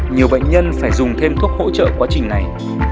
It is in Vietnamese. nhiều bệnh nhân phải dùng thêm thuốc hỗ trợ quá trình này